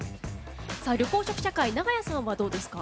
緑黄色社会長屋さんはどうですか？